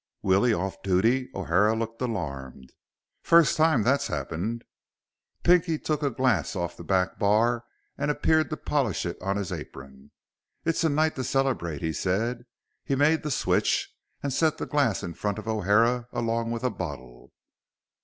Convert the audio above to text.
"Willie off duty?" O'Hara looked alarmed. "First time that's happened." Pinky took a glass off the back bar and appeared to polish it on his apron. "It's a night to celebrate," he said. He made the switch and set the glass in front of O'Hara, along with a bottle.